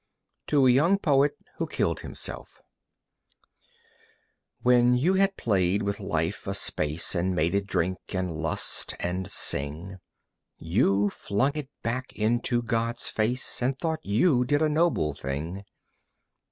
To A Young Poet Who Killed Himself When you had played with life a space And made it drink and lust and sing, You flung it back into God's face And thought you did a noble thing.